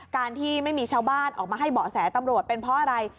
การที่ไม่มีชาวบ้านออกมาให้เบาะแสตำรวจเป็นเพราะอะไร